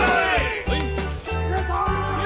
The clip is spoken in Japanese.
はい。